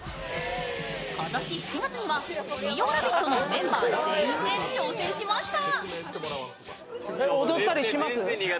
今年７月には、水曜ラヴィット！のメンバー全員で挑戦しました。